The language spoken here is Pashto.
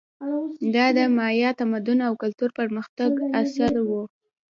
دا د مایا تمدن او کلتور پرمختګ عصر و.